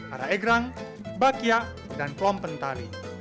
ada egrang bakya dan plom pentari